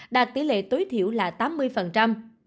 đạt tỷ lệ tối thiểu là tám mươi phần trăm